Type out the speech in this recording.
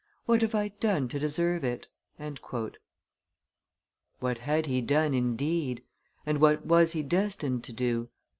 What have I done to deserve it?'" What had he done, indeed! And what was he destined to do?